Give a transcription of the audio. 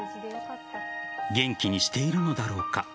元気にしているのだろうか。